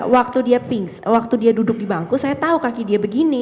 waktu dia pinks waktu dia duduk di bangku saya tahu kaki dia begini